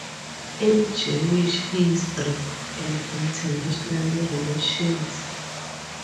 In Jewish History and International Relations.